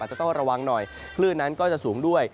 จะต้องระวังหน่อยคลื่นนั้นก็จะสูงด้วย